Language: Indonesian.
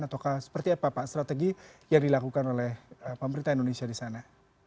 atau seperti apa pak strategi yang dilakukan oleh pemerintah indonesia di sana